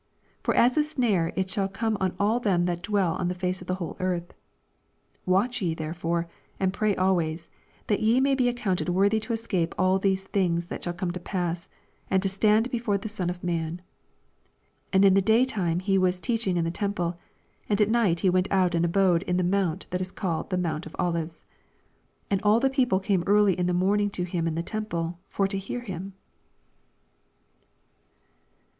85 For as a snare shall it come on all them that dwell on the face of the whole earth. 86 Watch yc therefore, and pray always, that ye may be accounted worthy to escape all these things that shall come to ^ass, and to stand be fore the Son oi man. 37 And in the day time he wap teaching in the temple ; and at night he went out and abode in the mount that is called the mount of Olives. 88 And all the people came early in the morning to him in the temple, for to hear him.